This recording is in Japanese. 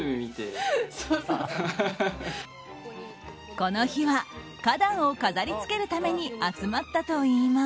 この日は花壇を飾りつけるために集まったといいます。